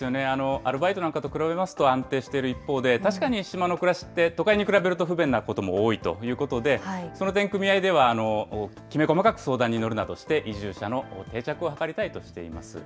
アルバイトなんかと比べますと安定している一方で、確かに島の暮らしって、都会に比べると不便なことも多いということで、その点、組合ではきめ細かく相談に乗るなどして、移住者の定着を図りたいとしています。